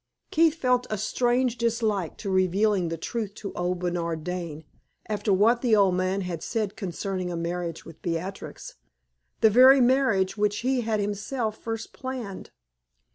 Keith felt a strange dislike to revealing the truth to old Bernard Dane, after what the old man had said concerning a marriage with Beatrix the very marriage which he had himself first planned.